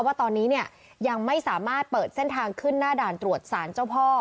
ว่าตอนนี้เนี่ยยังไม่สามารถเปิดเส้นทางขึ้นหน้าด่านตรวจสารเจ้าพ่อ